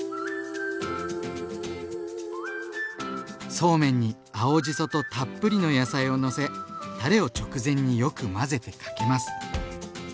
そうめんに青じそとたっぷりの野菜をのせたれを直前によく混ぜてかけます。